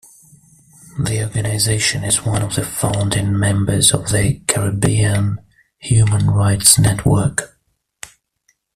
The organization is one of the founding members of the Caribbean Human Rights Network.